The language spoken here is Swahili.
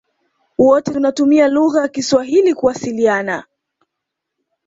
Wote tunatumia lugha ya kiswahili kuwasiliana